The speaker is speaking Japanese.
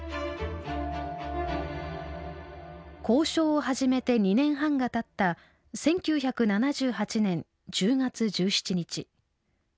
交渉を始めて２年半がたった１９７８年１０月１７日。